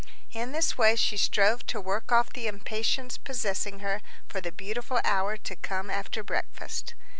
In this way she strove to work off the impatience possessing her for the beautiful hour to come after breakfast.